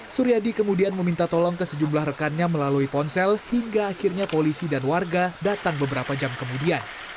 suryadi kemudian meminta tolong ke sejumlah rekannya melalui ponsel hingga akhirnya polisi dan warga datang beberapa jam kemudian